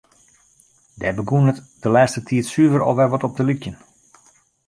Dêr begûn it de lêste tiid suver al wer wat op te lykjen.